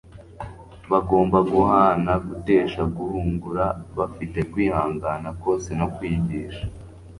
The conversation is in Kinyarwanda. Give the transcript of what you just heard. Bagomba guhana gutesha guhugura bafite kwihangana kose no kwigisha